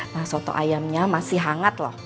nah soto ayamnya masih hangat loh